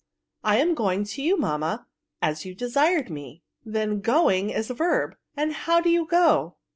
'^ I am going to you, mamma, as you de» sired me." Then going is a verb : and how do you go?"